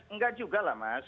enggak juga lah mas